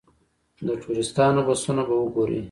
د ټوریسټانو بسونه به وګورئ.